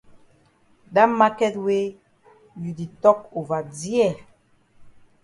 Dat maket wey you di tok ova dear.